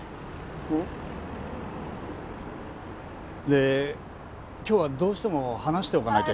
ん？で今日はどうしても話しておかなきゃ。